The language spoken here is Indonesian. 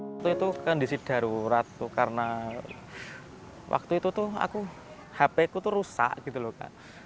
waktu itu kondisi darurat karena waktu itu aku hp ku rusak gitu loh